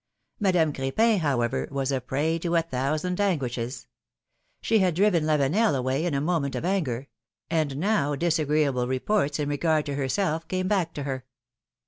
Madame Cr^pin, however, was a prey to a thousand anguishes. She had driven Lavenel away in a moment of anger — and now disagreeable reports in regard to her self came back to her.